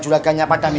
tunggu ya earnings